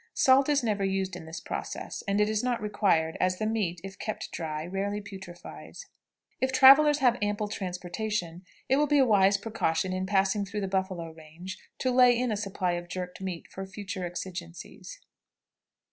Salt is never used in this process, and is not required, as the meat, if kept dry, rarely putrefies. If travelers have ample transportation, it will be a wise precaution, in passing through the buffalo range, to lay in a supply of jerked meat for future exigences.